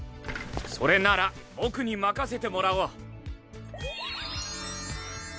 それなら僕に任せてもらおう！